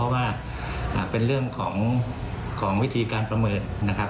ว่าเป็นเรื่องของวิธีการประเมินนะครับ